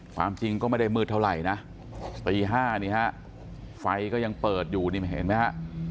ความจริงก็ไม่ได้มืดเท่าไหร่นะตี๕นี่ฮะไฟก็ยังเปิดอยู่นี่เห็นไหมฮะ